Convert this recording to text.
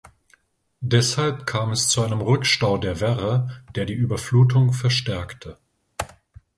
Deshalb kam es zu einem Rückstau der Werre, der die Überflutung verstärkte.